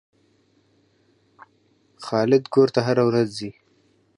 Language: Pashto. خالد کور ته هره ورځ ځي.